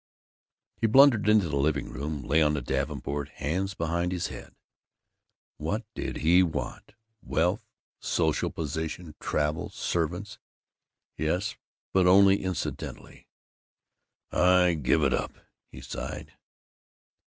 He blundered into the living room, lay on the davenport, hands behind his head. What did he want? Wealth? Social position? Travel? Servants? Yes, but only incidentally. "I give it up," he sighed.